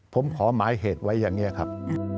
ผมขอหมายเหตุไว้อย่างนี้ครับ